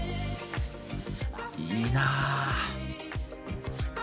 いいなぁ。